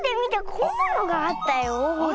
こんなのがあったよほら。